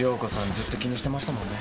ずっと気にしてましたもんね。